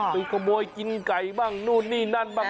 ไปขโมยกินไก่บ้างนู่นนี่นั่นบ้าง